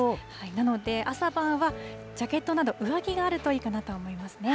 なので、朝晩はジャケットなど、上着があるといいかなと思いますね。